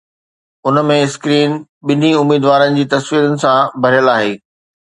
ان ۾، screen ٻنهي اميدوارن جي تصويرن سان ڀريل آهي